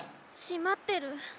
しまってる。